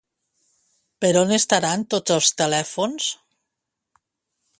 Per on estaran tots els telèfons?